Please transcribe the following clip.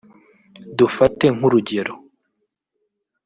Dufate nk’urugero